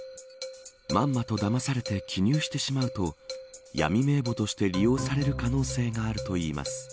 まんまとだまされて記入してしまうと闇名簿として利用される可能性があるといいます。